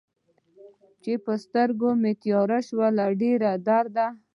چې په سترګو مې تياره شي له ډېر درده